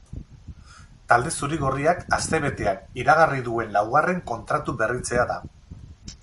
Talde zuri-gorriak astebetean iragarri duen laugarren kontratu berritzea da.